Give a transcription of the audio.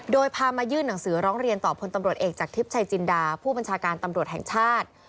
โดยพามายื่นหนังสือร้องเรียนต่อพลตำรวจเอกจากทิพย์ชัยจินดาผู้บัญชาการตำรวจแห่งชาติ